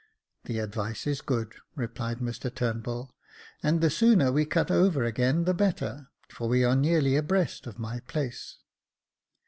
" The advice is good," replied Mr Turnbull, " and the sooner we cut over again the better, for we are nearly abreast of my place."